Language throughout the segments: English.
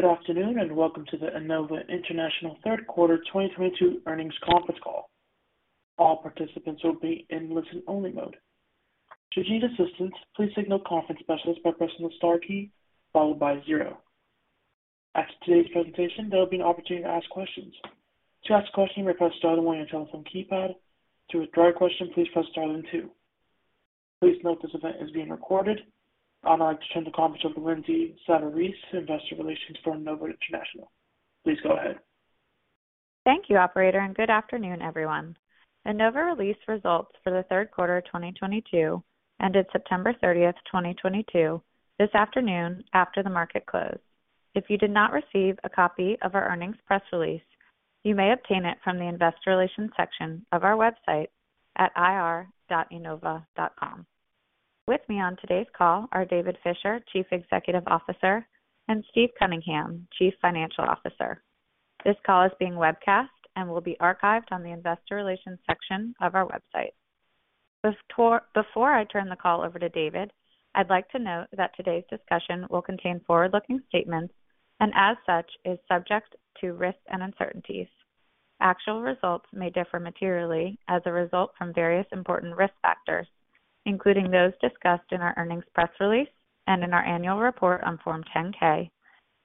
Good afternoon, and welcome to the Enova International Q3 2022 Earnings conference call. All participants will be in listen-only mode. To get assistance, please signal conference specialist by pressing the star key followed by zero. After today's presentation, there'll be an opportunity to ask questions. To ask a question, request star one on your telephone keypad. To withdraw a question, please press star then two. Please note this event is being recorded. I'd like to turn the conference over to Lindsay Savarese, Investor Relations for Enova International. Please go ahead. Thank you, operator, and good afternoon, everyone. Enova released results for the Q3 of 2022, ended September 30, 2022 this afternoon after the market closed. If you did not receive a copy of our earnings press release, you may obtain it from the investor relations section of our website at ir.enova.com. With me on today's call are David Fisher, Chief Executive Officer, and Steve Cunningham, Chief Financial Officer. This call is being webcast and will be archived on the investor relations section of our website. Before I turn the call over to David, I'd like to note that today's discussion will contain forward-looking statements and, as such, is subject to risks and uncertainties. Actual results may differ materially as a result from various important risk factors, including those discussed in our earnings press release and in our annual report on Form 10-K,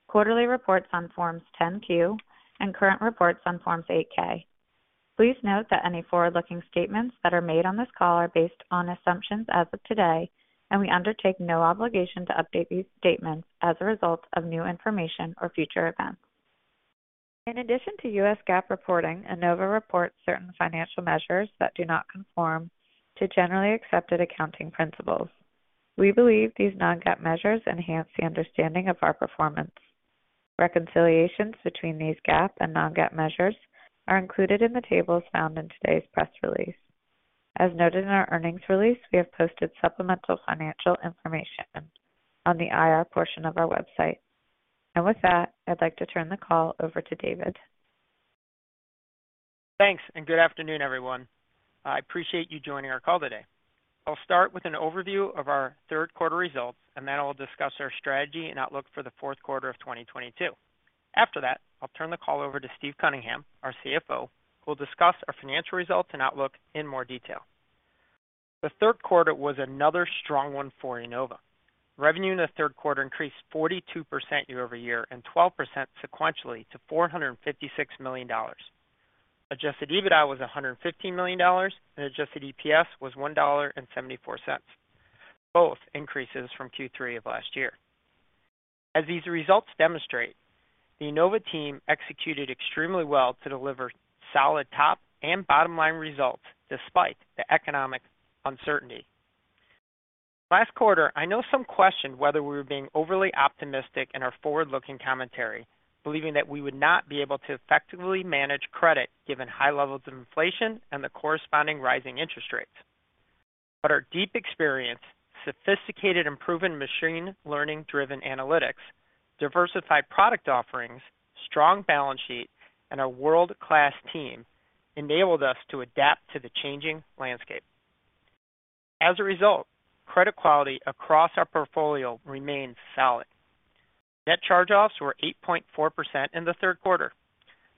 quarterly reports on Forms 10-Q, and current reports on Forms 8-K. Please note that any forward-looking statements that are made on this call are based on assumptions as of today, and we undertake no obligation to update these statements as a result of new information or future events. In addition to U.S. GAAP reporting, Enova reports certain financial measures that do not conform to generally accepted accounting principles. We believe these non-GAAP measures enhance the understanding of our performance. Reconciliations between these GAAP and non-GAAP measures are included in the tables found in today's press release. As noted in our earnings release, we have posted supplemental financial information on the IR portion of our website. With that, I'd like to turn the call over to David. Thanks, and good afternoon, everyone. I appreciate you joining our call today. I'll start with an overview of our Q3 results, and then I'll discuss our strategy and outlook for the Q4 of 2022. After that, I'll turn the call over to Steve Cunningham, our CFO, who will discuss our financial results and outlook in more detail. The Q3 was another strong one for Enova. Revenue in the Q3 increased 42% year over year and 12% sequentially to $456 million. Adjusted EBITDA was $150 million, and adjusted EPS was $1.74, both increases from Q3 of last year. As these results demonstrate, the Enova team executed extremely well to deliver solid top and bottom line results despite the economic uncertainty. Last quarter, I know some questioned whether we were being overly optimistic in our forward-looking commentary, believing that we would not be able to effectively manage credit given high levels of inflation and the corresponding rising interest rates. Our deep experience, sophisticated and proven Machine Learning-driven analytics, diversified product offerings, strong balance sheet, and our world-class team enabled us to adapt to the changing landscape. As a result, credit quality across our portfolio remains solid. Net Charge-Offs were 8.4% in the Q3.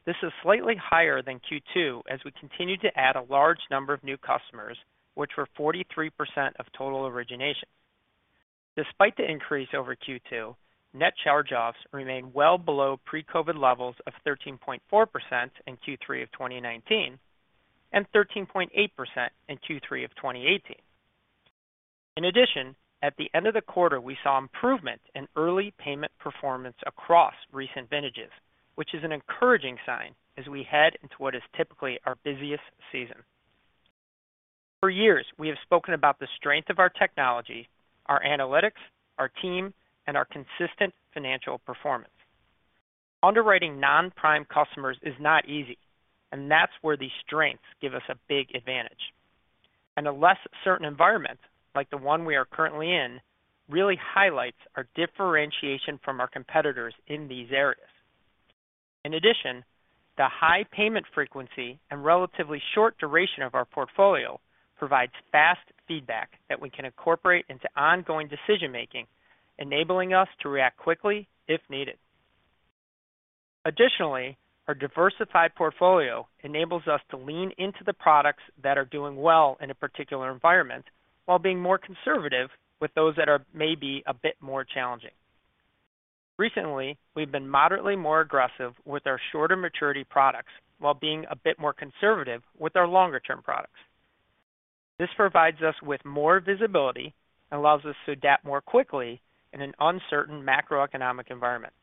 This is slightly higher than Q2 as we continued to add a large number of new customers, which were 43% of total originations. Despite the increase over Q2, Net Charge-Offs remain well below pre-COVID levels of 13.4% in Q3 of 2019 and 13.8% in Q3 of 2018. In addition, at the end of the quarter, we saw improvement in early payment performance across recent vintages, which is an encouraging sign as we head into what is typically our busiest season. For years, we have spoken about the strength of our technology, our analytics, our team, and our consistent financial performance. Underwriting non-prime customers is not easy, and that's where these strengths give us a big advantage. A less certain environment like the one we are currently in really highlights our differentiation from our competitors in these areas. In addition, the high payment frequency and relatively short duration of our portfolio provides fast feedback that we can incorporate into ongoing decision-making, enabling us to react quickly if needed. Additionally, our diversified portfolio enables us to lean into the products that are doing well in a particular environment while being more conservative with those that are maybe a bit more challenging. Recently, we've been moderately more aggressive with our shorter maturity products while being a bit more conservative with our longer-term products. This provides us with more visibility and allows us to adapt more quickly in an uncertain macroeconomic environment.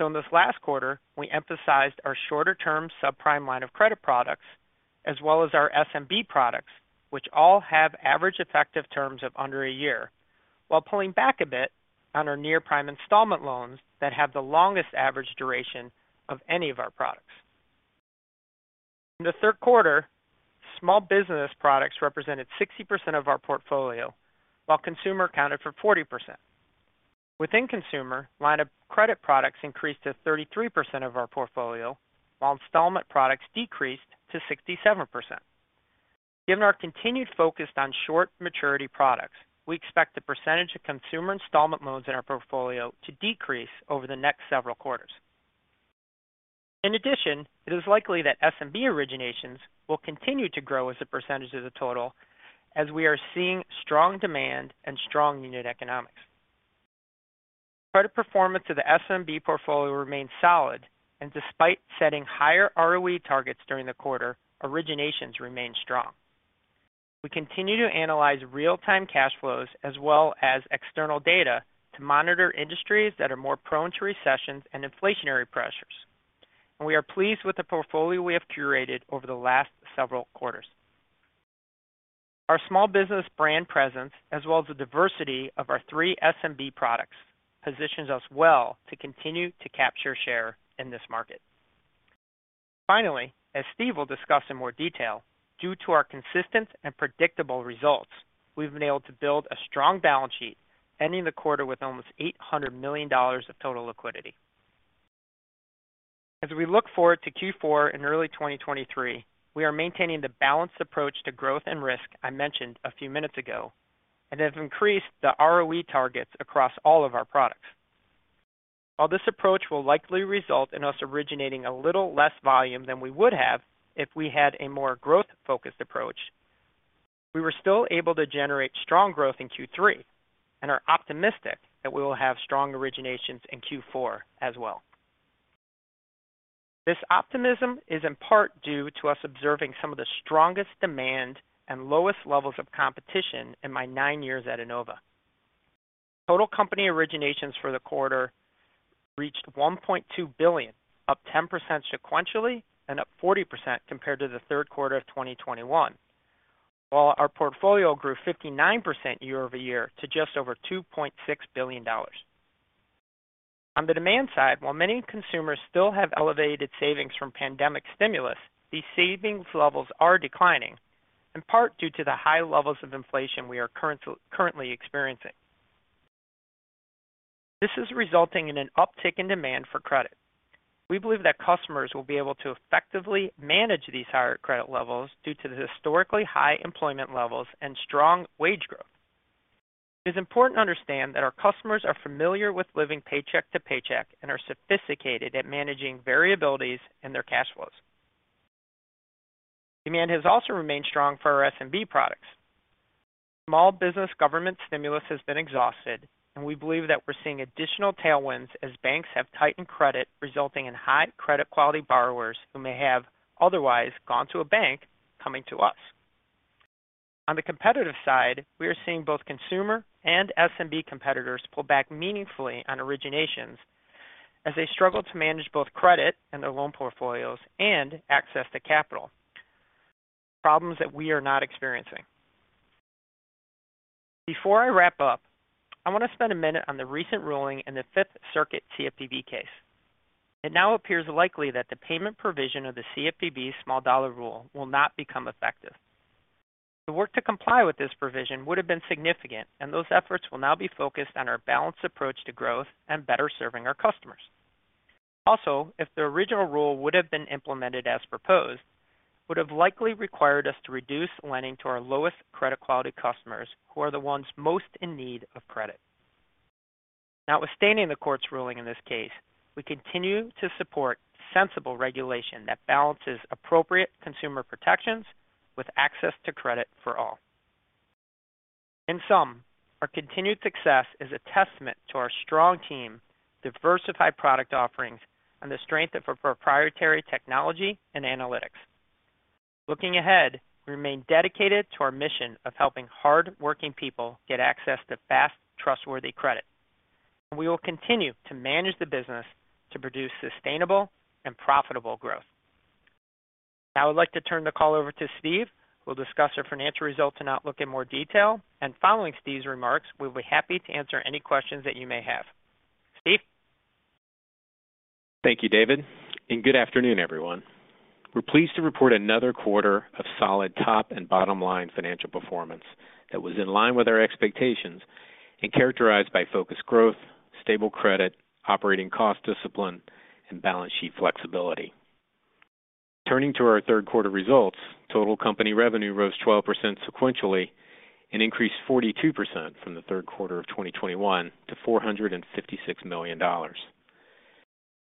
In this last quarter, we emphasized our shorter-term subprime line of credit products as well as our SMB products, which all have average effective terms of under a year, while pulling back a bit on our near-prime installment loans that have the longest average duration of any of our products. In the Q3, small business products represented 60% of our portfolio, while consumer accounted for 40%. Within consumer, line of credit products increased to 33% of our portfolio, while installment products decreased to 67%. Given our continued focus on short maturity products, we expect the percentage of consumer installment loans in our portfolio to decrease over the next several quarters. In addition, it is likely that SMB originations will continue to grow as a percentage of the total as we are seeing strong demand and strong unit economics. Credit performance of the SMB portfolio remains solid, and despite setting higher ROE targets during the quarter, originations remain strong. We continue to analyze real-time cash flows as well as external data to monitor industries that are more prone to recessions and inflationary pressures. We are pleased with the portfolio we have curated over the last several quarters. Our small business brand presence, as well as the diversity of our three SMB products, positions us well to continue to capture share in this market. Finally, as Steve will discuss in more detail, due to our consistent and predictable results, we've been able to build a strong balance sheet ending the quarter with almost $800 million of total liquidity. As we look forward to Q4 in early 2023, we are maintaining the balanced approach to growth and risk I mentioned a few minutes ago, and have increased the ROE targets across all of our products. While this approach will likely result in us originating a little less volume than we would have if we had a more growth-focused approach, we were still able to generate strong growth in Q3 and are optimistic that we will have strong originations in Q4 as well. This optimism is in part due to us observing some of the strongest demand and lowest levels of competition in my nine years at Enova. Total company originations for the quarter reached $1.2 billion, up 10% sequentially and up 40% compared to the Q3 of 2021. While our portfolio grew 59% year over year to just over $2.6 billion. On the demand side, while many consumers still have elevated savings from pandemic stimulus, these savings levels are declining, in part due to the high levels of inflation we are currently experiencing. This is resulting in an uptick in demand for credit. We believe that customers will be able to effectively manage these higher credit levels due to the historically high employment levels and strong wage growth. It is important to understand that our customers are familiar with living paycheck to paycheck and are sophisticated at managing variabilities in their cash flows. Demand has also remained strong for our SMB products. Small business government stimulus has been exhausted, and we believe that we're seeing additional tailwinds as banks have tightened credit, resulting in high credit quality borrowers who may have otherwise gone to a bank coming to us. On the competitive side, we are seeing both consumer and SMB competitors pull back meaningfully on originations as they struggle to manage both credit and their loan portfolios and access to capital. Problems that we are not experiencing. Before I wrap up, I want to spend a minute on the recent ruling in the Fifth Circuit CFPB case. It now appears likely that the payment provision of the CFPB small dollar rule will not become effective. The work to comply with this provision would have been significant, and those efforts will now be focused on our balanced approach to growth and better serving our customers. Also, if the original rule would have been implemented as proposed, would have likely required us to reduce lending to our lowest credit quality customers who are the ones most in need of credit. Notwithstanding the court's ruling in this case, we continue to support sensible regulation that balances appropriate consumer protections with access to credit for all. In sum, our continued success is a testament to our strong team, diversified product offerings, and the strength of our proprietary technology and analytics. Looking ahead, we remain dedicated to our mission of helping hard-working people get access to fast, trustworthy credit. We will continue to manage the business to produce sustainable and profitable growth. Now I would like to turn the call over to Steve, who will discuss our financial results and outlook in more detail. Following Steve's remarks, we'll be happy to answer any questions that you may have. Steve. Thank you, David, and good afternoon, everyone. We're pleased to report another quarter of solid top and bottom line financial performance that was in line with our expectations and characterized by focused growth, stable credit, operating cost discipline, and balance sheet flexibility. Turning to our Q3 results, total company revenue rose 12% sequentially and increased 42% from the Q3 of 2021 to $456 million.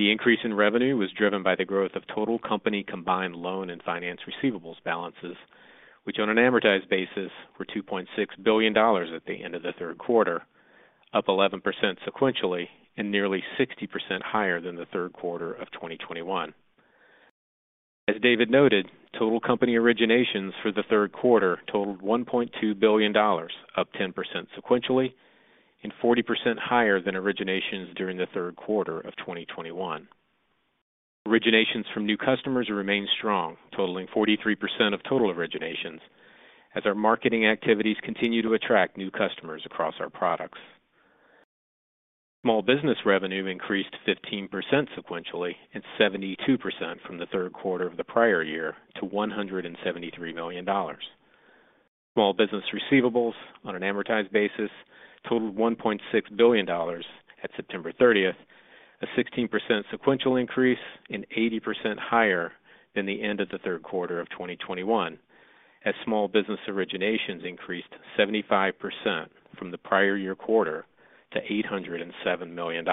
The increase in revenue was driven by the growth of total company combined loan and finance receivables balances, which on an amortized basis were $2.6 billion at the end of the Q3, up 11% sequentially and nearly 60% higher than the Q3 of 2021. As David noted, total company originations for the Q3 totaled $1.2 billion, up 10% sequentially and 40% higher than originations during the Q3 of 2021. Originations from new customers remained strong, totaling 43% of total originations as our marketing activities continue to attract new customers across our products. Small business revenue increased 15% sequentially and 72% from the Q3 of the prior year to $173 million. Small business receivables on an amortized basis totaled $1.6 billion at September 30th, a 16% sequential increase and 80% higher than the end of the Q3 of 2021 as small business originations increased 75% from the prior year quarter to $807 million.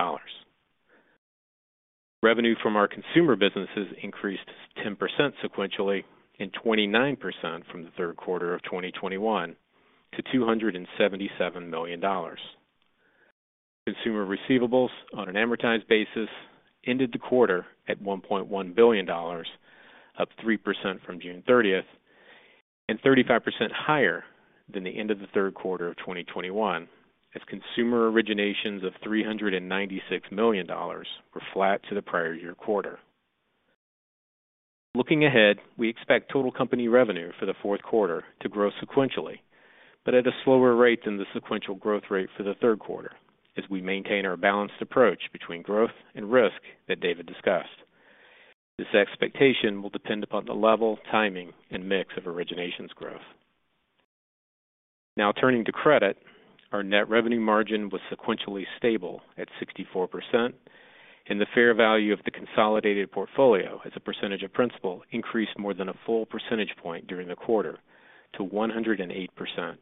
Revenue from our consumer businesses increased 10% sequentially and 29% from the Q3 of 2021 to $277 million. Consumer receivables on an amortized basis ended the quarter at $1.1 billion, up 3% from June 30th and 35% higher than the end of the Q3 of 2021 as consumer originations of $396 million were flat to the prior year quarter. Looking ahead, we expect total company revenue for the Q4 to grow sequentially, but at a slower rate than the sequential growth rate for the Q3 as we maintain our balanced approach between growth and risk that David discussed. This expectation will depend upon the level, timing, and mix of originations growth. Now turning to credit. Our Net Revenue Margin was sequentially stable at 64%, and the Fair Value of the consolidated portfolio as a percentage of principal increased more than a full percentage point during the quarter to 108%.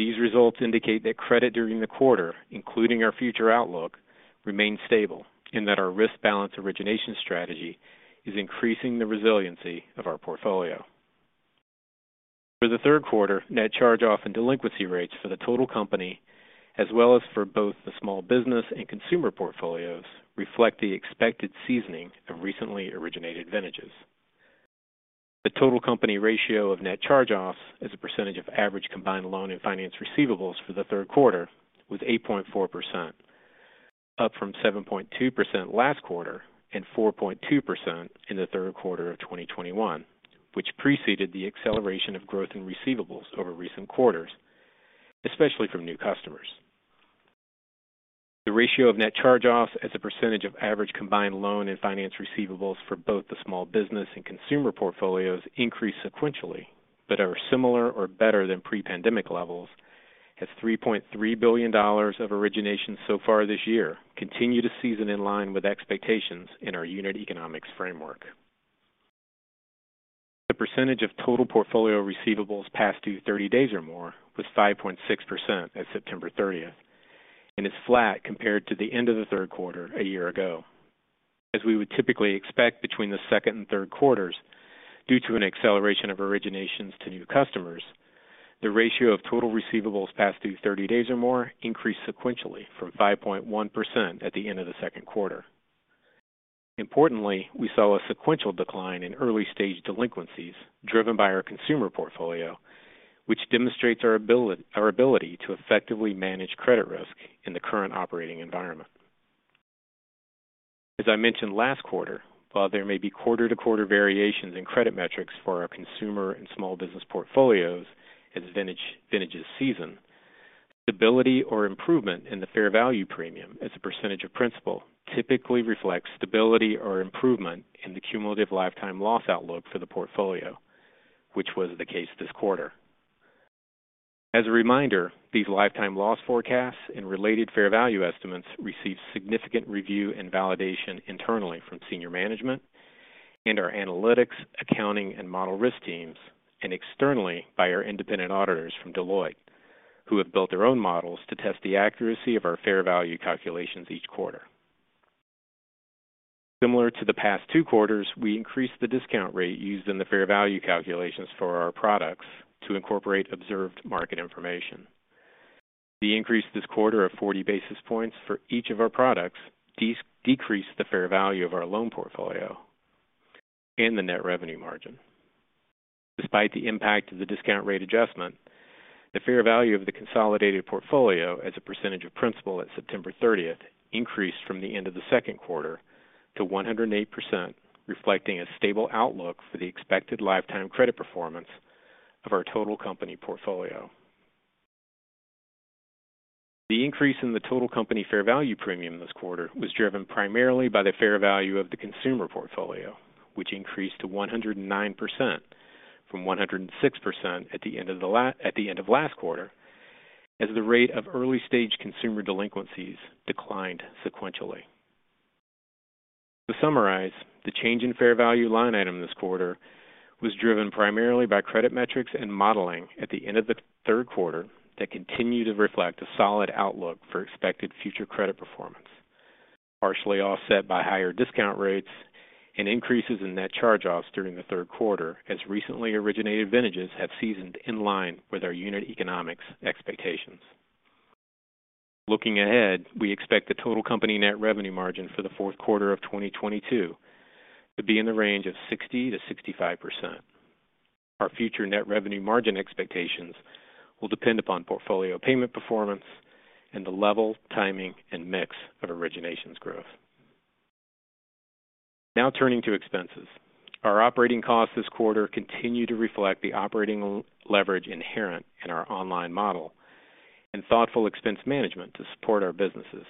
These results indicate that credit during the quarter, including our future outlook, remained stable and that our risk-balanced origination strategy is increasing the resiliency of our portfolio. For the Q3, Net Charge-Off and delinquency rates for the total company, as well as for both the small business and consumer portfolios, reflect the expected seasoning of recently originated vintages. The total company ratio of net charge-offs as a percentage of average combined loan and finance receivables for the Q3 was 8.4%, up from 7.2% last quarter and 4.2% in the Q3 of 2021, which preceded the acceleration of growth in receivables over recent quarters, especially from new customers. The ratio of net charge-offs as a percentage of average combined loan and finance receivables for both the small business and consumer portfolios increased sequentially, but are similar or better than pre-pandemic levels as $3.3 billion of originations so far this year continue to season in line with expectations in our unit economics framework. The percentage of total portfolio receivables past due 30 days or more was 5.6% at September 30 and is flat compared to the end of the Q3 a year ago. As we would typically expect between the second and Q3s due to an acceleration of originations to new customers, the ratio of total receivables past due 30 days or more increased sequentially from 5.1% at the end of the Q2. Importantly, we saw a sequential decline in early-stage delinquencies driven by our consumer portfolio, which demonstrates our ability to effectively manage credit risk in the current operating environment. As I mentioned last quarter, while there may be quarter-to-quarter variations in credit metrics for our consumer and small business portfolios as vintages season, stability or improvement in the fair value premium as a percentage of principal typically reflects stability or improvement in the cumulative lifetime loss outlook for the portfolio, which was the case this quarter. As a reminder, these lifetime loss forecasts and related fair value estimates receive significant review and validation internally from senior management and our analytics, accounting, and model risk teams and externally by our independent auditors from Deloitte, who have built their own models to test the accuracy of our fair value calculations each quarter. Similar to the past two quarters, we increased the discount rate used in the fair value calculations for our products to incorporate observed market information. The increase this quarter of 40 basis points for each of our products decreased the Fair Value of our loan portfolio and the Net Revenue Margin. Despite the impact of the discount rate adjustment, the Fair Value of the consolidated portfolio as a percentage of principal at September thirtieth increased from the end of the Q2 to 108%, reflecting a stable outlook for the expected lifetime credit performance of our total company portfolio. The increase in the total company Fair Value premium this quarter was driven primarily by the Fair Value of the consumer portfolio, which increased to 109% from 106% at the end of last quarter as the rate of early-stage consumer delinquencies declined sequentially. To summarize, the change in Fair Value line item this quarter was driven primarily by credit metrics and modeling at the end of the Q3 that continue to reflect a solid outlook for expected future credit performance, partially offset by higher discount rates and increases in Net Charge-Offs during the Q3 as recently originated vintages have seasoned in line with our unit economics expectations. Looking ahead, we expect the total company Net Revenue Margin for the Q4 of 2022 to be in the range of 60%-65%. Our future Net Revenue Margin expectations will depend upon portfolio payment performance and the level, timing, and mix of originations growth. Now turning to expenses. Our operating costs this quarter continue to reflect the operating leverage inherent in our online model and thoughtful expense management to support our businesses.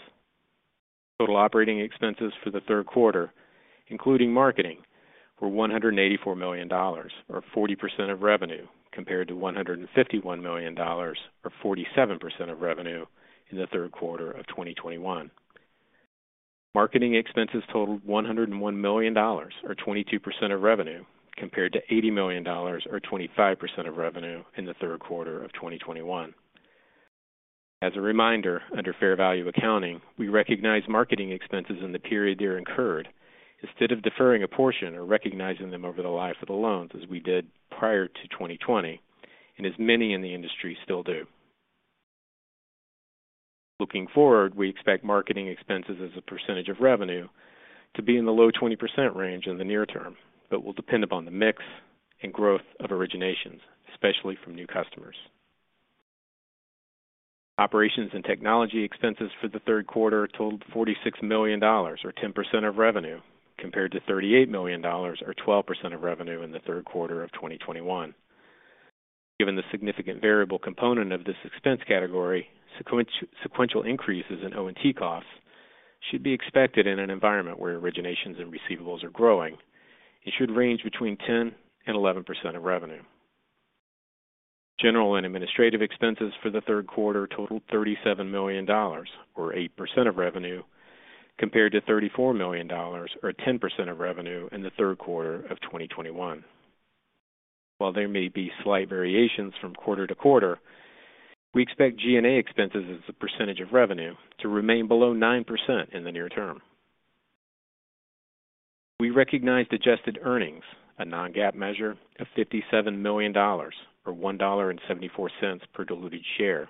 Total operating expenses for the Q3, including marketing, were $184 million or 40% of revenue compared to $151 million or 47% of revenue in the Q3 of 2021. Marketing expenses totaled $101 million or 22% of revenue compared to $80 million or 25% of revenue in the Q3 of 2021. As a reminder, under Fair Value accounting, we recognize marketing expenses in the period they're incurred instead of deferring a portion or recognizing them over the life of the loans, as we did prior to 2020 and as many in the industry still do. Looking forward, we expect marketing expenses as a percentage of revenue to be in the low 20% range in the near term, but will depend upon the mix and growth of originations, especially from new customers. Operations and technology expenses for the Q3 totaled $46 million or 10% of revenue compared to $38 million or 12% of revenue in the Q3 of 2021. Given the significant variable component of this expense category, sequential increases in O&T costs should be expected in an environment where originations and receivables are growing and should range between 10% and 11% of revenue. General and administrative expenses for the Q3 totaled $37 million or 8% of revenue compared to $34 million or 10% of revenue in the Q3 of 2021. While there may be slight variations from quarter-to-quarter, we expect G&A expenses as a percentage of revenue to remain below 9% in the near term. We recognized adjusted earnings, a non-GAAP measure of $57 million or $1.74 per diluted share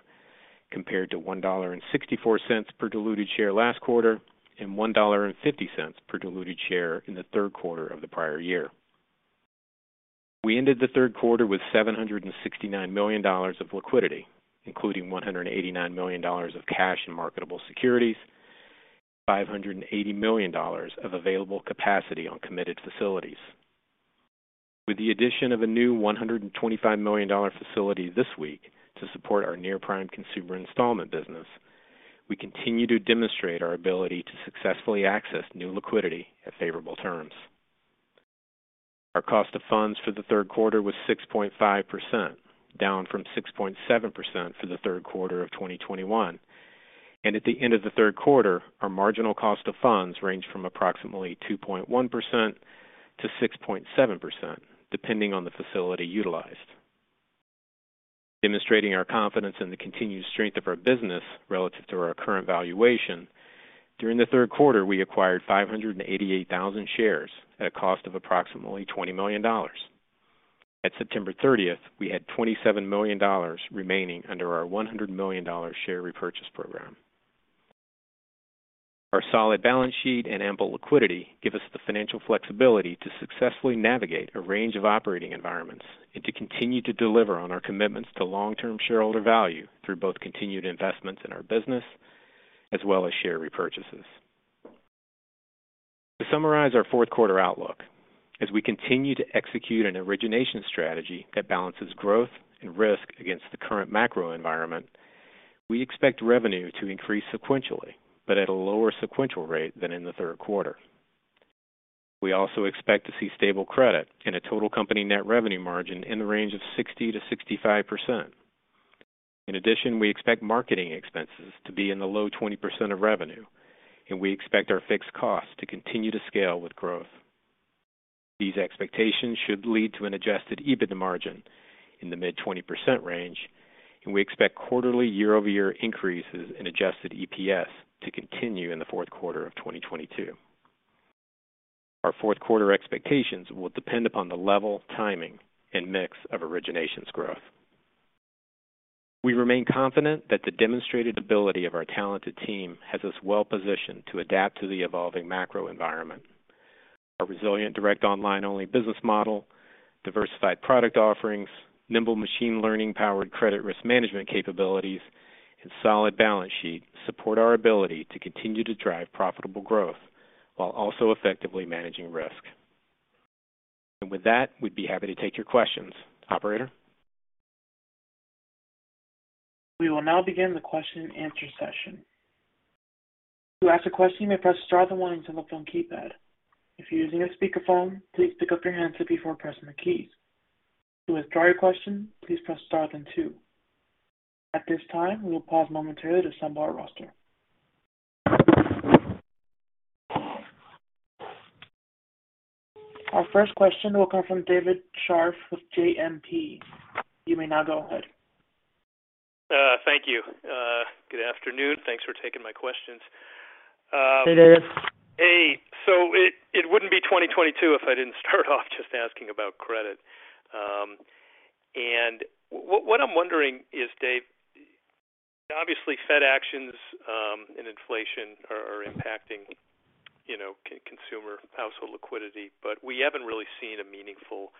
compared to $1.64 per diluted share last quarter and $1.50 per diluted share in the Q3 of the prior year. We ended the Q3 with $769 million of liquidity, including $189 million of cash and marketable securities, $580 million of available capacity on committed facilities. With the addition of a new $125 million facility this week to support our near-prime consumer installment business, we continue to demonstrate our ability to successfully access new liquidity at favorable terms. Our cost of funds for the Q3 was 6.5%, down from 6.7% for the Q3 of 2021. At the end of the Q3, our marginal cost of funds ranged from approximately 2.1%-6.7% depending on the facility utilized. Demonstrating our confidence in the continued strength of our business relative to our current valuation, during the Q3, we acquired 588,000 shares at a cost of approximately $20 million. At September 30, we had $27 million remaining under our $100 million share repurchase program. Our solid balance sheet and ample liquidity give us the financial flexibility to successfully navigate a range of operating environments and to continue to deliver on our commitments to long-term shareholder value through both continued investments in our business as well as share repurchases. To summarize our Q4 outlook, as we continue to execute an origination strategy that balances growth and risk against the current macro environment, we expect revenue to increase sequentially, but at a lower sequential rate than in the Q3. We also expect to see stable credit in a total company net revenue margin in the range of 60%-65%. In addition, we expect marketing expenses to be in the low 20% of revenue, and we expect our fixed costs to continue to scale with growth. These expectations should lead to an Adjusted EBITDA margin in the mid-20% range, and we expect quarterly year-over-year increases in Adjusted EPS to continue in the Q4 of 2022. Our Q4 expectations will depend upon the level, timing, and mix of originations growth. We remain confident that the demonstrated ability of our talented team has us well positioned to adapt to the evolving macro environment. Our resilient direct online-only business model, diversified product offerings, nimble Machine Learning-powered credit risk management capabilities, and solid balance sheet support our ability to continue to drive profitable growth while also effectively managing risk. With that, we'd be happy to take your questions. Operator? We will now begin the question and answer session. To ask a question, you may press star one on the phone keypad. If you're using a speakerphone, please pick up your handset before pressing the keys. To withdraw your question, please press star then two. At this time, we will pause momentarily to assemble our roster. Our first question will come from David Scharf with JMP. You may now go ahead. Thank you. Good afternoon. Thanks for taking my questions. Hey, David. Hey. It wouldn't be 2022 if I didn't start off just asking about credit. What I'm wondering is, Dave, obviously Fed actions and inflation are impacting, you know, consumer household liquidity. We haven't really seen a meaningful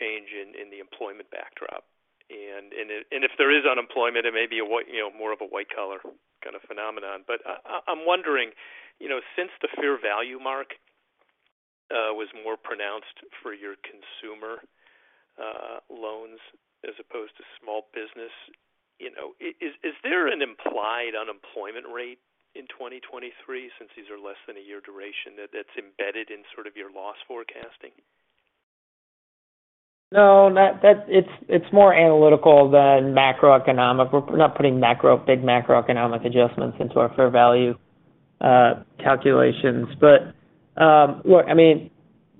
change in the employment backdrop. If there is unemployment, it may be, you know, more of a white-collar kind of phenomenon. I'm wondering, you know, since the Fair Value mark was more pronounced for your consumer loans as opposed to small business. Is there an implied unemployment rate in 2023 since these are less than a year duration that's embedded in sort of your loss forecasting? No, not. It's more analytical than macroeconomic. We're not putting big macroeconomic adjustments into our Fair Value calculations. Look, I mean,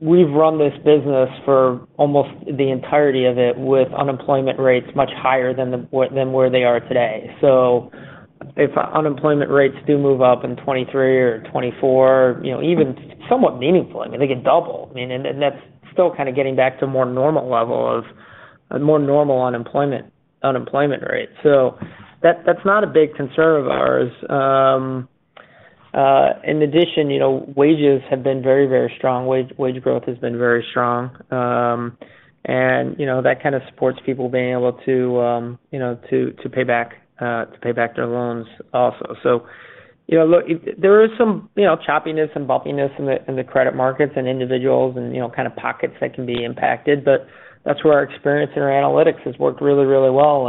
we've run this business for almost the entirety of it with unemployment rates much higher than where they are today. If unemployment rates do move up in 2023 or 2024, you know, even somewhat meaningful, I mean, they could double. That's still kind of getting back to a more normal level of a more normal unemployment rate. That's not a big concern of ours. In addition, you know, wages have been very strong. Wage growth has been very strong. You know, that kind of supports people being able to pay back their loans also. You know, look, there is some you know, choppiness and bumpiness in the credit markets and individuals and, you know, kind of pockets that can be impacted. That's where our experience and our analytics has worked really, really well.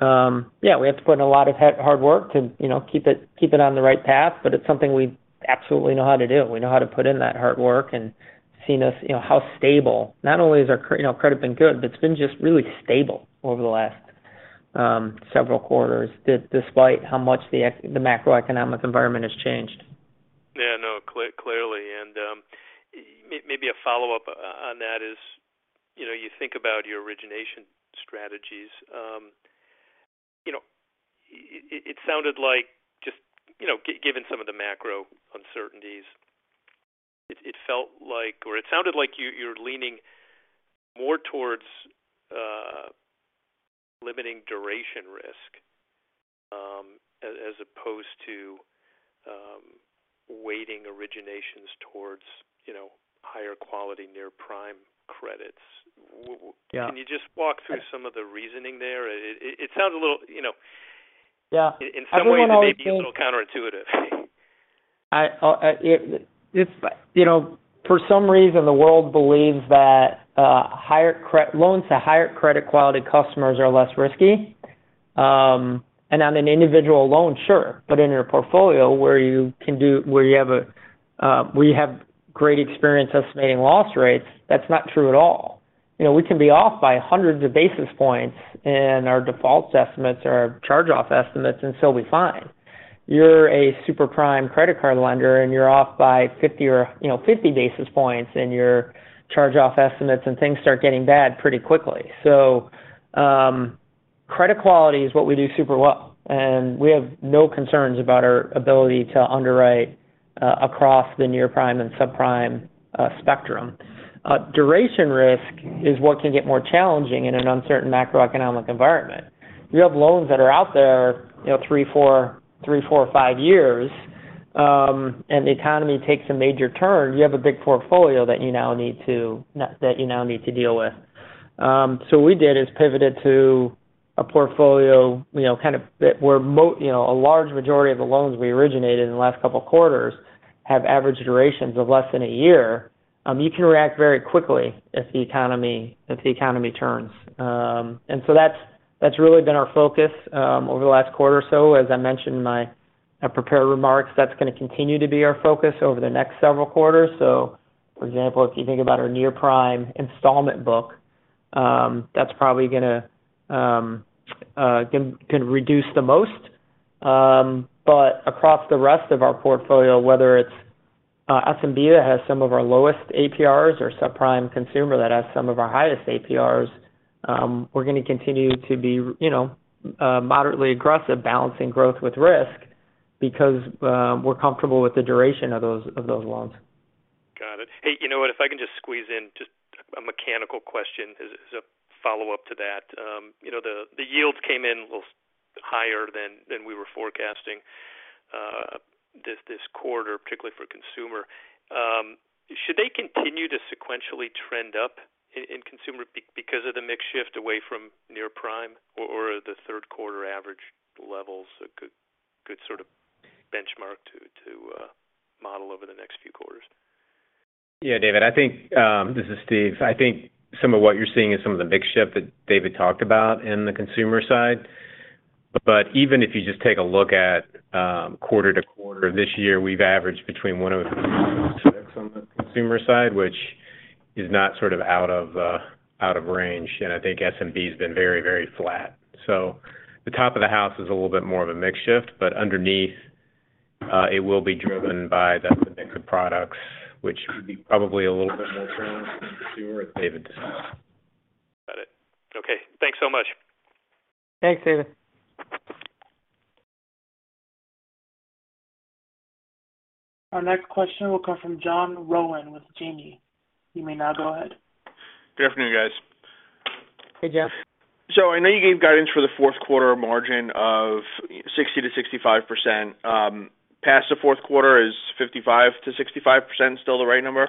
We have to put in a lot of hard work to, you know, keep it on the right path, but it's something we absolutely know how to do. We know how to put in that hard work and it's seen us, you know, how stable. Not only has our you know, credit been good, but it's been just really stable over the last several quarters despite how much the macroeconomic environment has changed. Yeah, I know clearly. Maybe a follow-up on that is, you know, you think about your origination strategies. You know, it sounded like just, you know, given some of the macro uncertainties, it felt like or it sounded like you're leaning more towards limiting duration risk as opposed to weighting originations towards, you know, higher quality near-prime credits. Yeah. Can you just walk through some of the reasoning there? It sounds a little, you know. Yeah. In some ways it may be a little counterintuitive. It's, you know, for some reason the world believes that higher credit loans to higher credit quality customers are less risky. On an individual loan, sure. But in your portfolio where you have great experience estimating loss rates, that's not true at all. You know, we can be off by hundreds of basis points in our defaults estimates or our charge-off estimates, and so are we fine. You're a super prime credit card lender and you're off by 50 or, you know, 50 basis points in your charge-off estimates and things start getting bad pretty quickly. Credit quality is what we do super well, and we have no concerns about our ability to underwrite across the near-prime and subprime spectrum. Duration risk is what can get more challenging in an uncertain macroeconomic environment. You have loans that are out there, you know, three, four, five years, and the economy takes a major turn. You have a big portfolio that you now need to deal with. What we did is pivoted to a portfolio, you know, kind of where a large majority of the loans we originated in the last couple of quarters have average durations of less than a year. You can react very quickly if the economy turns. That's really been our focus over the last quarter or so. As I mentioned in my prepared remarks, that's gonna continue to be our focus over the next several quarters. For example, if you think about our near-prime installment book, that's probably gonna reduce the most. But across the rest of our portfolio, whether it's SMB that has some of our lowest APRs or subprime consumer that has some of our highest APRs, we're gonna continue to be, you know, moderately aggressive balancing growth with risk because we're comfortable with the duration of those loans. Got it. Hey, you know what? If I can just squeeze in just a mechanical question as a follow-up to that. You know, the yields came in a little higher than we were forecasting this quarter, particularly for consumer. Should they continue to sequentially trend up in consumer because of the mix shift away from near-prime or the Q3 average levels a good sort of benchmark to model over the next few quarters? Yeah, David. This is Steve. I think some of what you're seeing is some of the mix shift that David talked about in the consumer side. Even if you just take a look at quarter-over-quarter this year, we've averaged between 1% on the consumer side, which is not sort of out of range. I think SMB's been very, very flat. The top of the house is a little bit more of a mix shift, but underneath, it will be driven by the mix of products which would be probably a little bit more challenging for sure as David discussed. Got it. Okay, thanks so much. Thanks, David. Our next question will come from John Rowan with Janney. You may now go ahead. Good afternoon, guys. Hey, John. I know you gave guidance for the Q4 margin of 60%-65%. Past the Q4 is 55%-65% still the right number?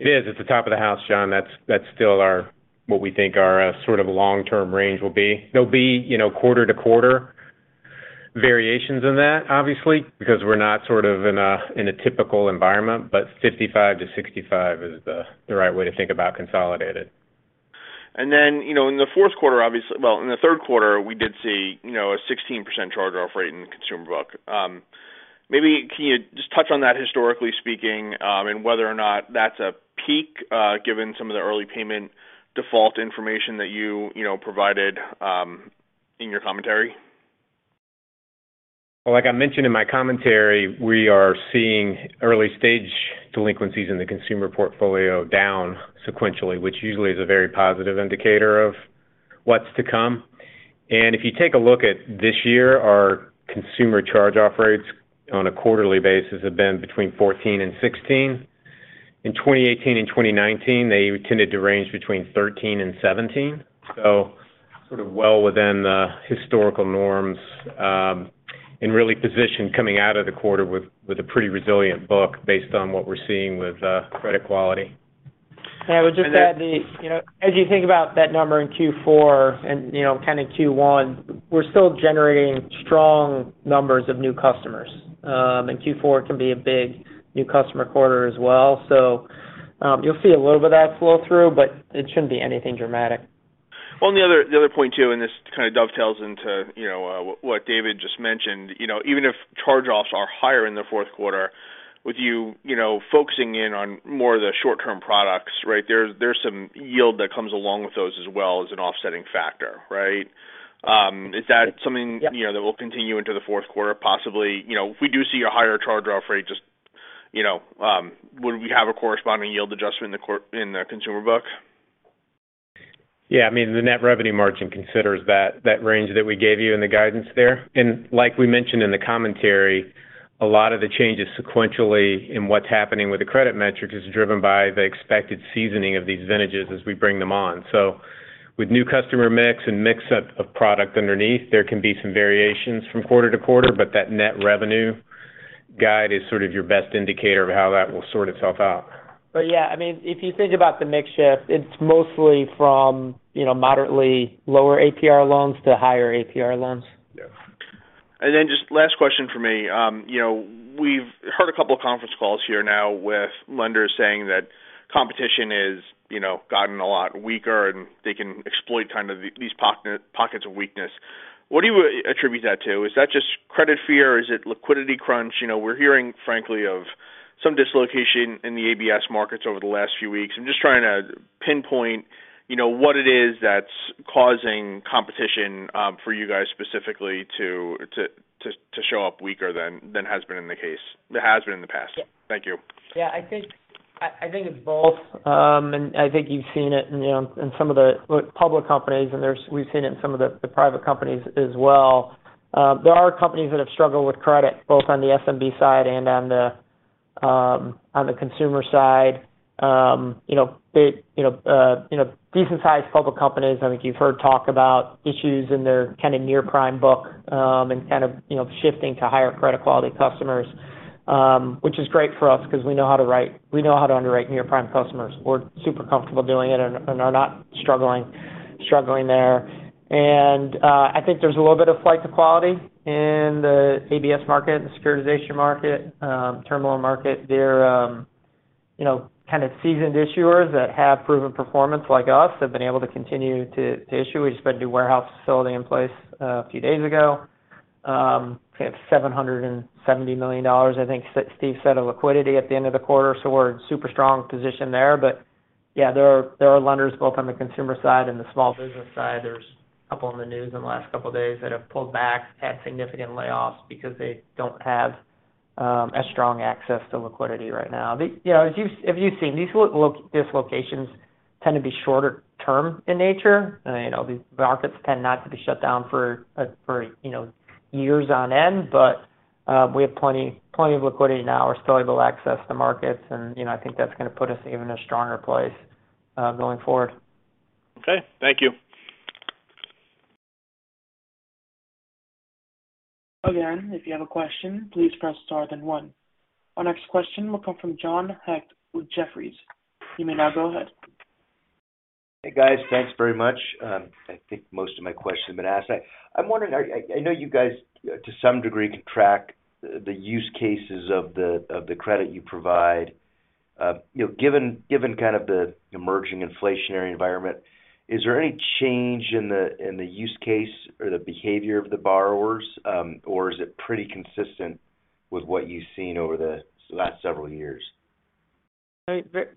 It is. It's the top of the house, John. That's still our what we think our sort of long-term range will be. There'll be, you know, quarter-to-quarter variations in that, obviously, because we're not sort of in a typical environment, but 55%-65% is the right way to think about consolidated. In the Q3, we did see, you know, a 16% charge-off rate in the consumer book. Maybe you can just touch on that historically speaking, and whether or not that's a peak, given some of the early payment default information that you know, provided in your commentary? Well, like I mentioned in my commentary, we are seeing early-stage delinquencies in the consumer portfolio down sequentially, which usually is a very positive indicator of what's to come. If you take a look at this year, our consumer charge-off rates on a quarterly basis have been between 14% and 16%. In 2018 and 2019, they tended to range between 13% and 17%, so sort of well within the historical norms, and really positioned coming out of the quarter with a pretty resilient book based on what we're seeing with credit quality. I would just add, you know, as you think about that number in Q4 and, you know, kind of Q1, we're still generating strong numbers of new customers. Q4 can be a big new customer quarter as well. You'll see a little bit of that flow through, but it shouldn't be anything dramatic. Well, the other point, too, and this kind of dovetails into, you know, what David just mentioned. You know, even if charge-offs are higher in the Q4 with you know, focusing in on more of the short-term products, right? There's some yield that comes along with those as well as an offsetting factor, right? Is that something? Yep. You know, that will continue into the Q4, possibly. You know, if we do see a higher charge-off rate, just, you know, would we have a corresponding yield adjustment in the consumer book? Yeah. I mean, the Net Revenue Margin considers that range that we gave you in the guidance there. Like we mentioned in the commentary, a lot of the changes sequentially in what's happening with the credit metrics is driven by the expected seasoning of these vintages as we bring them on. With new customer mix and mix of product underneath, there can be some variations from quarter to quarter, but that net revenue guide is sort of your best indicator of how that will sort itself out. Yeah, I mean, if you think about the mix shift, it's mostly from, you know, moderately lower APR loans to higher APR loans. Yeah. Just last question for me. You know, we've heard a couple of conference calls here now with lenders saying that competition is, you know, gotten a lot weaker and they can exploit kind of these pockets of weakness. What do you attribute that to? Is that just credit fear? Is it liquidity crunch? You know, we're hearing, frankly, of some dislocation in the ABS markets over the last few weeks. I'm just trying to pinpoint, you know, what it is that's causing competition for you guys specifically to show up weaker than has been in the past. Yeah. Thank you. Yeah. I think it's both. I think you've seen it in some of the public companies and we've seen it in some of the private companies as well. There are companies that have struggled with credit both on the SMB side and on the consumer side. You know, they, you know, you know, decent-sized public companies. I think you've heard talk about issues in their kind of near-prime book, and kind of, you know, shifting to higher credit quality customers. Which is great for us because we know how to underwrite near-prime customers. We're super comfortable doing it and are not struggling there. I think there's a little bit of flight to quality in the ABS market, the securitization market, term loan market. They're you know, kind of seasoned issuers that have proven performance like us, have been able to continue to issue. We just set a new warehouse facility in place a few days ago. We have $770 million, I think Steve said, of liquidity at the end of the quarter. We're in super strong position there. Yeah, there are lenders both on the consumer side and the small business side. There's a couple in the news in the last couple of days that have pulled back, had significant layoffs because they don't have a strong access to liquidity right now. You know, as you've seen, these dislocations tend to be shorter term in nature. You know, these markets tend not to be shut down for you know, years on end. We have plenty of liquidity now. We're still able to access the markets and, you know, I think that's gonna put us even in a stronger place, going forward. Okay. Thank you. Again, if you have a question, please press star then one. Our next question will come from John Hecht with Jefferies. You may now go ahead. Hey, guys. Thanks very much. I think most of my questions have been asked. I'm wondering, I know you guys to some degree can track the use cases of the credit you provide. You know, given kind of the emerging inflationary environment, is there any change in the use case or the behavior of the borrowers, or is it pretty consistent with what you've seen over the last several years?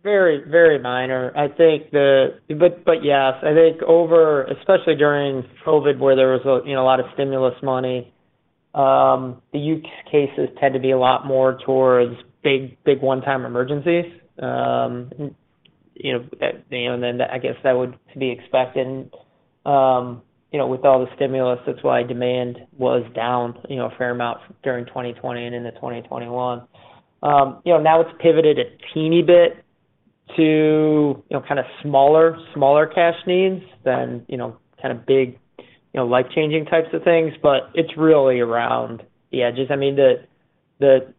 Very minor. Yes. I think over, especially during COVID, where there was a lot of stimulus money, the use cases tend to be a lot more towards big one-time emergencies. You know, and then I guess that would be expected, you know, with all the stimulus. That's why demand was down, you know, a fair amount during 2020 and into 2021. You know, now it's pivoted a teeny bit. You know, kind of smaller cash needs than, you know, kind of big, you know, life-changing types of things. It's really around the edges. I mean, the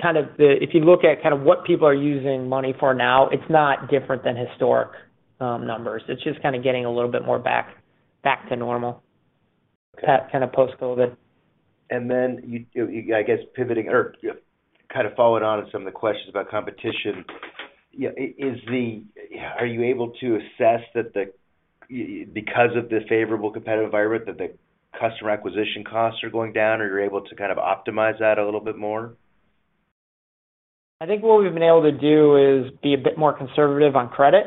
kind of. If you look at kind of what people are using money for now, it's not different than historic numbers. It's just kinda getting a little bit more back to normal. Kind of post-COVID. you I guess pivoting or kind of following on to some of the questions about competition. Yeah, are you able to assess that the, because of the favorable competitive environment, that the customer acquisition costs are going down, or you're able to kind of optimize that a little bit more? I think what we've been able to do is be a bit more conservative on credit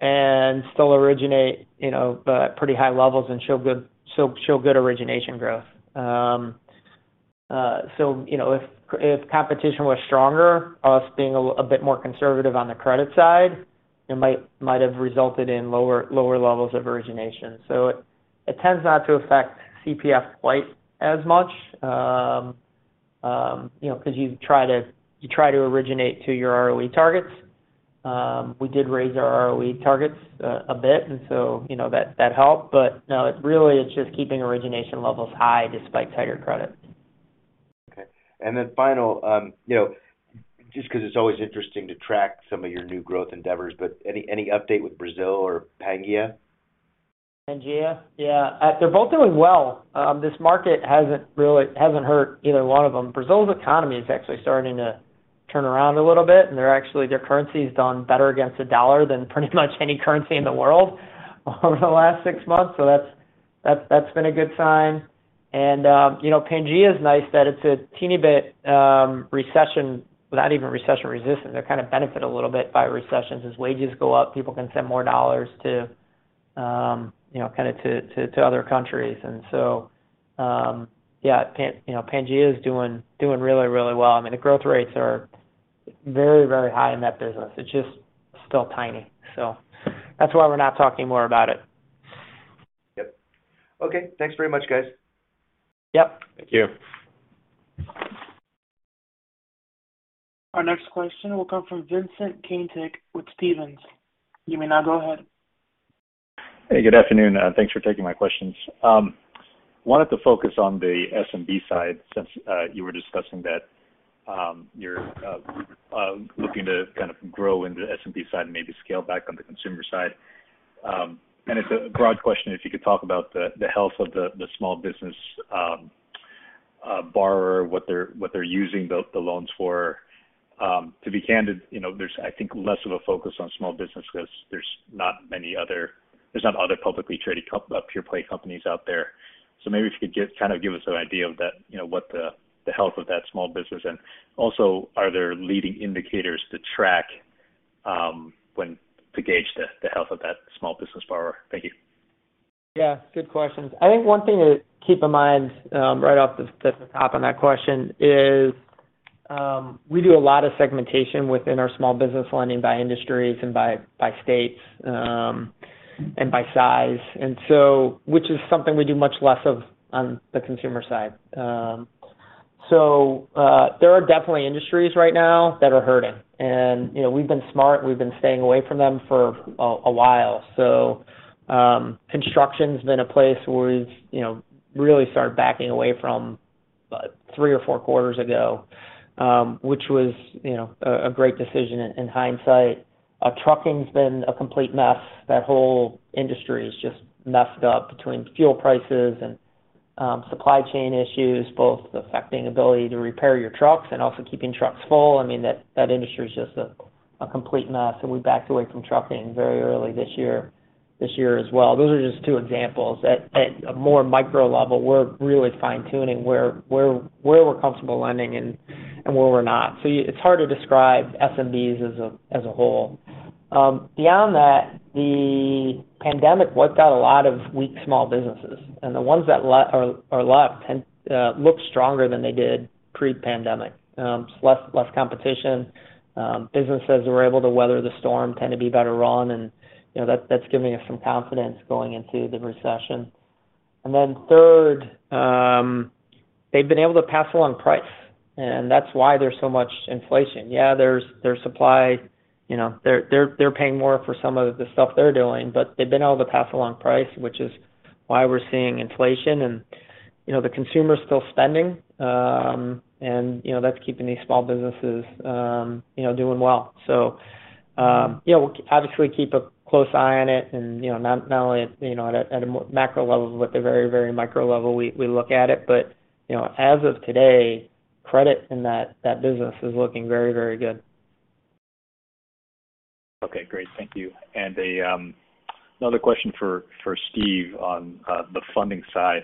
and still originate, you know, but at pretty high levels and show good origination growth. You know, if competition was stronger, us being a bit more conservative on the credit side, it might have resulted in lower levels of origination. It tends not to affect CPA quite as much, you know, 'cause you try to originate to your ROE targets. We did raise our ROE targets a bit, you know, that helped. No, it really is just keeping origination levels high despite tighter credit. Okay. Then final, you know, just 'cause it's always interesting to track some of your new growth endeavors, but any update with Brazil or Pangea? Pangea? Yeah. They're both doing well. This market hasn't really hurt either one of them. Brazil's economy is actually starting to turn around a little bit, and their currency's done better against the dollar than pretty much any currency in the world over the last six months. That's been a good sign. You know, Pangea is nice that it's a teeny bit recession-proof, without even recession-resistant. They kind of benefit a little bit by recessions. As wages go up, people can send more dollars to you know, kinda to other countries. Yeah, you know, Pangea is doing really well. I mean, the growth rates are very high in that business. It's just still tiny. That's why we're not talking more about it. Yep. Okay. Thanks very much, guys. Yep. Thank you. Our next question will come from Vincent Caintic with Stephens. You may now go ahead. Hey, good afternoon. Thanks for taking my questions. Wanted to focus on the SMB side since you were discussing that, you're looking to kind of grow in the SMB side and maybe scale back on the consumer side. It's a broad question, if you could talk about the health of the small business borrower, what they're using the loans for. To be candid, you know, there's, I think, less of a focus on small business 'cause there's not many other publicly traded pure-play companies out there. Maybe if you could just kind of give us an idea of that, you know, what the health of that small business and also, are there leading indicators to track to gauge the health of that small business borrower? Thank you. Yeah, good questions. I think one thing to keep in mind, right off the top on that question is, we do a lot of segmentation within our small business lending by industries and by states and by size. Which is something we do much less of on the consumer side. There are definitely industries right now that are hurting. You know, we've been smart. We've been staying away from them for a while. Construction's been a place where we've, you know, really started backing away from about three or four quarters ago, which was, you know, a great decision in hindsight. Trucking's been a complete mess. That whole industry is just messed up between fuel prices and supply chain issues, both affecting ability to repair your trucks and also keeping trucks full. I mean, that industry is just a complete mess, and we backed away from trucking very early this year as well. Those are just two examples. At a more micro level, we're really fine-tuning where we're comfortable lending and where we're not. It's hard to describe SMBs as a whole. Beyond that, the pandemic wiped out a lot of weak small businesses, and the ones that are left tend to look stronger than they did pre-pandemic. Less competition. Businesses that were able to weather the storm tend to be better run and, you know, that's giving us some confidence going into the recession. Then third, they've been able to pass along price, and that's why there's so much inflation. Yeah, there's supply. You know, they're paying more for some of the stuff they're doing, but they've been able to pass along price, which is why we're seeing inflation. You know, the consumer is still spending, and you know, that's keeping these small businesses, you know, doing well. Yeah, we'll obviously keep a close eye on it and, you know, not only at, you know, at a macro level, but at the very micro level, we look at it. You know, as of today, credit in that business is looking very good. Okay, great. Thank you. Another question for Steve on the funding side.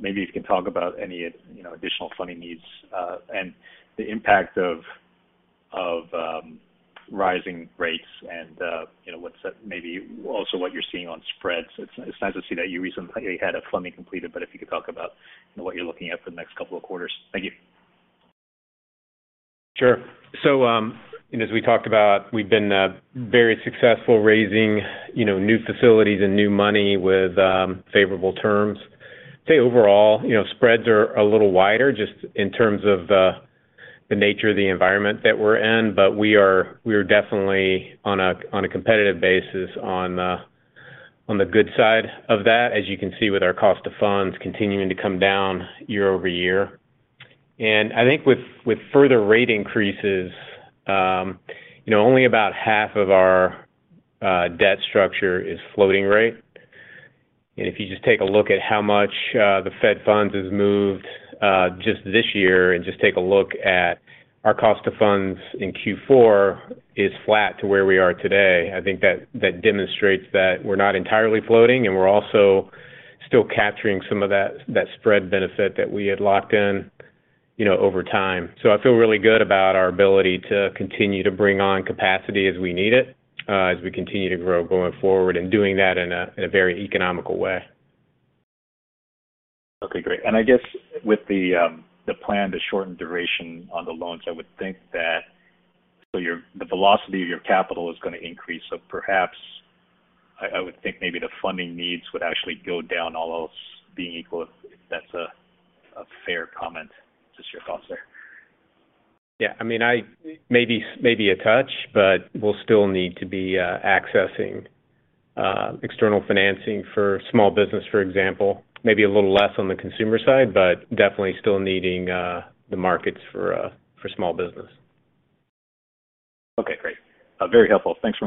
Maybe if you can talk about any, you know, additional funding needs, and the impact of rising rates and, you know, what's maybe also what you're seeing on spreads. It's nice to see that you recently had a funding completed, but if you could talk about what you're looking at for the next couple of quarters. Thank you. Sure. You know, as we talked about, we've been very successful raising, you know, new facilities and new money with favorable terms. I'd say overall, you know, spreads are a little wider just in terms of the nature of the environment that we're in. We're definitely on a competitive basis on the good side of that, as you can see with our cost of funds continuing to come down year-over-year. I think with further rate increases, you know, only about half of our debt structure is floating rate. If you just take a look at how much the Fed funds has moved just this year and just take a look at our cost of funds in Q4 is flat to where we are today. I think that demonstrates that we're not entirely floating, and we're also still capturing some of that spread benefit that we had locked in, you know, over time. I feel really good about our ability to continue to bring on capacity as we need it, as we continue to grow going forward and doing that in a very economical way. Okay, great. I guess with the plan to shorten duration on the loans, I would think that the velocity of your capital is gonna increase. Perhaps I would think maybe the funding needs would actually go down, all else being equal, if that's a fair comment. Just your thoughts there. Yeah, I mean, maybe a touch, but we'll still need to be accessing external financing for small business, for example. Maybe a little less on the consumer side, but definitely still needing the markets for small business. Okay, great. Very helpful. Thanks so much.